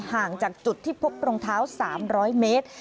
ห่างจากจุดที่พบรองเท้า๓๐๐เมตร